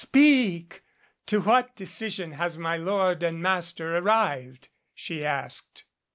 Speak! To what decision has my lord and master arrived?" she asked.